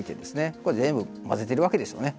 これ全部混ぜてるわけですよね。